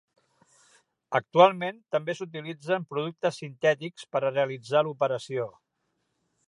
Actualment, també s'utilitzen productes sintètics per a realitzar l'operació.